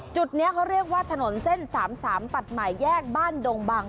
จุดนี้เขาเรียกว่าถนนเส้น๓๓ตัดใหม่แยกบ้านดงบัง